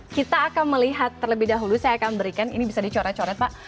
kita akan melihat terlebih dahulu saya akan berikan ini bisa dicoret coret pak